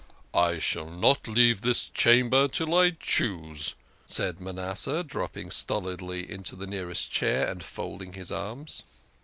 " I shall not leave this cham ber till I choose," said Manas seh, dropping stolidly into the nearest chair and folding his arms.